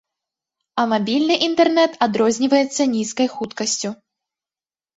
А мабільны інтэрнэт адрозніваецца нізкай хуткасцю.